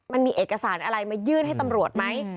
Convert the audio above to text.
มันมีเอกสารอะไรมายื่นให้ตำรวจไหม